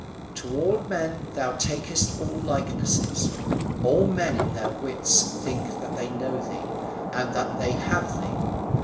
To all men thou takest all likenesses. All men in their wits think that they know thee, and that they have thee.